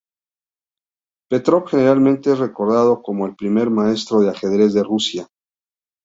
Petrov generalmente es recordado como el primer maestro de ajedrez de Rusia.